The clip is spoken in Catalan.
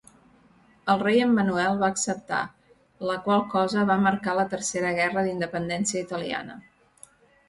El rei Emmanuel va acceptar, la qual cosa va marcar la Tercera guerra d'independència italiana.